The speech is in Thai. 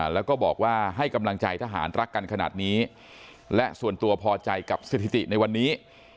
แล้วก็บอกว่าให้กำลังใจทหารรักกันขนาดนี้และส่วนตัวพอใจกับสถิติในวันนี้